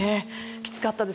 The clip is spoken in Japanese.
きつかったです